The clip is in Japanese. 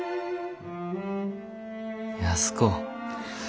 安子。